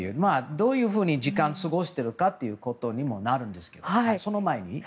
どういうふうに時間を過ごしているかということになるんですけど、その前に。